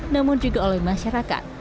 namun juga oleh masyarakat